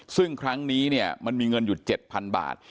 ซึ่งครั้งนี้เนี่ยมันมีเงินอยู่๗๐๐บาท